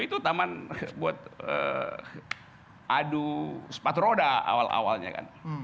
itu taman buat adu sepatu roda awal awalnya kan